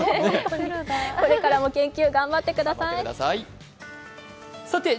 これからも研究頑張ってください。